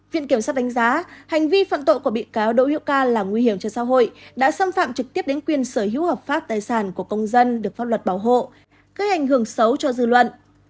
viện kiểm sát đánh giá hành vi phạm tội của bị cáo đỗ hữu ca là nguy hiểm cho xã hội đã xâm phạm trực tiếp đến quyền sở hữu hợp pháp tài sản của công dân được pháp luật bảo hộ gây ảnh hưởng xấu cho dư luận